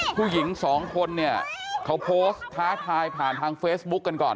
ผู้หญิงสองคนเนี่ยเขาโพสต์ท้าทายผ่านทางเฟซบุ๊คกันก่อน